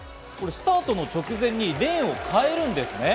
スタートの直前にレーンも変えるんですね。